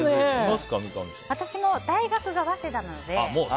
私も大学が早稲田なので。